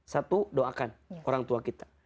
satu doakan orang tua kita